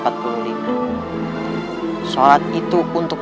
sholat itu untuk